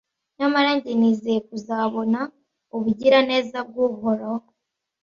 Nyamara jye nizeye kuzabona ubugiraneza bw’Uhoraho